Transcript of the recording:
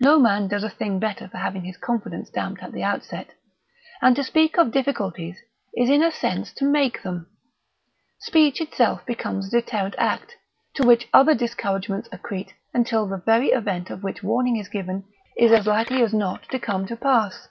No man does a thing better for having his confidence damped at the outset, and to speak of difficulties is in a sense to make them. Speech itself becomes a deterrent act, to which other discouragements accrete until the very event of which warning is given is as likely as not to come to pass.